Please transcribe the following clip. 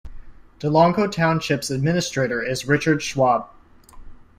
Delanco Township's Administrator is Richard Schwab.